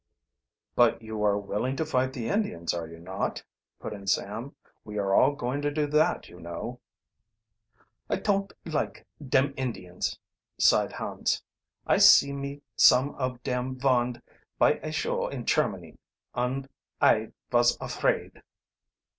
"But you are willing to fight the Indians, are you not?" put in Sam. "We are all going to do that, you know." "I ton't like dem Indians," sighed Hans. "I see me some of dem vonde by a show in Chermany, und I vos afraid."